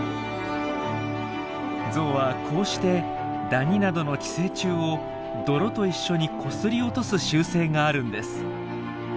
ゾウはこうしてダニなどの寄生虫を泥と一緒にこすり落とす習性があるんです。